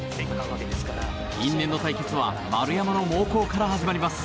因縁の対決は丸山の猛攻から始まります。